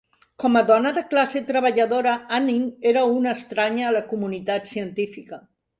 Com a dona de classe treballadora, Anning era una estranya a la comunitat científica.